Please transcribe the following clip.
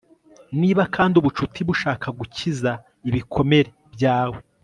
Niba kandi ubucuti bushaka gukiza ibikomere byawe